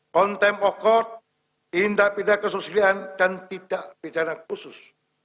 contempt of court tindak pindah kesusilaan dan tidak pidana khusus